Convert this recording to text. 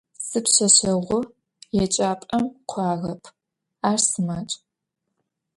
Сипшъэшъэгъу еджапӏэм кӏуагъэп: ар сымадж.